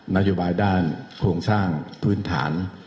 นโยบายด้านโครงสร้างพื้นฐาน